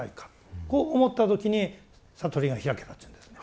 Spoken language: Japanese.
こう思った時に悟りが開けたっていうんですね。